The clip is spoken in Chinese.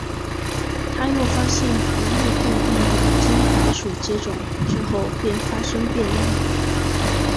他又发现黄热病病毒经白鼠接种之后便发生变异。